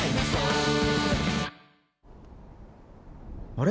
あれ？